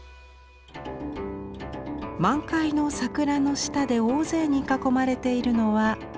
満開の桜の下で大勢に囲まれているのは孔雀。